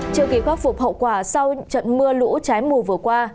chưa kỳ khắc phục hậu quả sau trận mưa lũ trái mù vừa qua